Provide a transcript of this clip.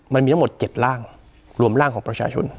มันมีทั้งหมด๗ร่างรวมร่างของประชาชน